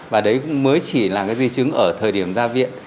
và đấy cũng mới chỉ là cái di chứng ở thời điểm ra viện